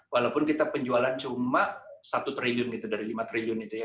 walaupun kita penjualan cuma satu triliun gitu dari lima triliun itu ya